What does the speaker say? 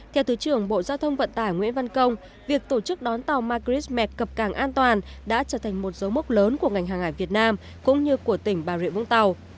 theo thứ trưởng bộ giao thông vận tải nguyễn văn công việc tổ chức đón tàu macris mẹt cập cảng an toàn đã trở thành một dấu mốc lớn của ngành hàng hải việt nam cũng như của tỉnh bà rịa vũng tàu